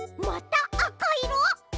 またあかいろ？